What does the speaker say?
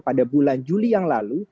pada bulan juli yang lalu